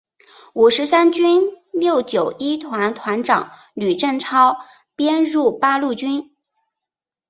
五十三军六九一团团长吕正操编入八路军。